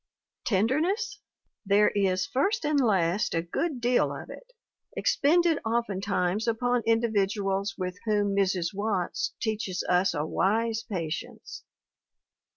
Tenderness? There is first and last a good deal of it, expended oftentimes upon individuals with whom Mrs. Watts teaches us a wise patience.